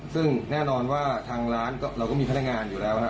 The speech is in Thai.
ซึ่งแน่นอนว่าทางร้านเราก็มีพนักงานอยู่แล้วนะ